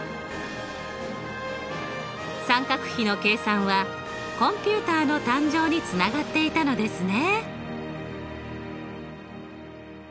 三角比の計算はコンピュータの誕生につながっていたのですね。